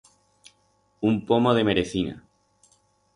Un pomo de merecina.